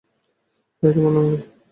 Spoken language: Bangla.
হেই, তোমার নাম কি?